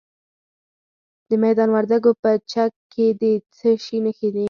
د میدان وردګو په چک کې د څه شي نښې دي؟